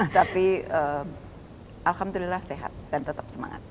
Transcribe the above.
tapi alhamdulillah sehat dan tetap semangat